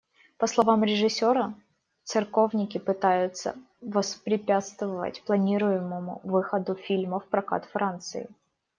По словам режиссера, церковники пытаются воспрепятствовать планируемому выходу фильма в прокат Франции.